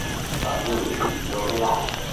Stati Uniti, giorni nostri.